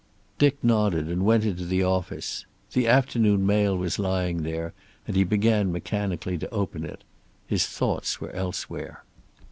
Dick nodded and went into the office. The afternoon mail was lying there, and he began mechanically to open it. His thoughts were elsewhere.